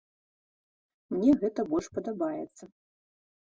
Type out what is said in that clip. Мне гэта больш падабаецца.